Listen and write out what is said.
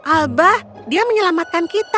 alba dia menyelamatkan kita